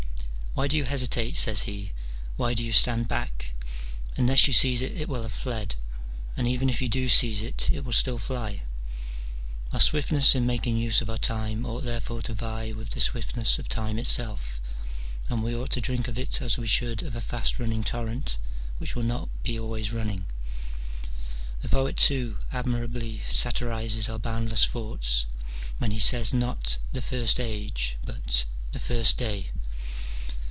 Why do you hesitate, says ho, why do you stand back ? unless you seize it it will have fled : and even if you do seize it, it will still fly. Our swiftness in making use of our time ought therefore to vie with the swiftness of time itself, and we ought to drink of it as we should of a fast running torrent which will not be always running. The poet, too, admirably satirizes our boundless thoughts, when he says, not "the first age," but "the first day."